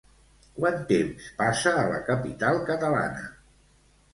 Quant temps passa a la capital catalana?